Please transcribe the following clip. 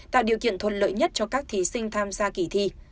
tạo điều kiện thuận lợi nhất cho các thí sinh tham gia kỳ thi